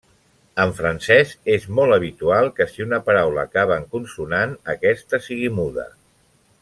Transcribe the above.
En francès és molt habitual que si una paraula acaba en consonant, aquesta sigui muda.